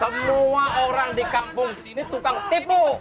semua orang di kampung sini tukang tipu